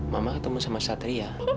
mama ketemu sama satria